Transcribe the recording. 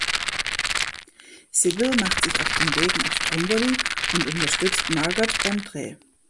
Sibyl macht sich auf den Weg nach Stromboli und unterstützt Margot beim Dreh.